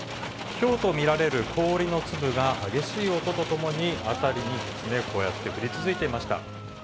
ひょうと見られる氷の粒が、激しい音とともに、辺りにこうやって降り続いていました。